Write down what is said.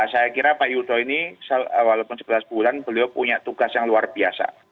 saya kira pak yudo ini walaupun sebelas bulan beliau punya tugas yang luar biasa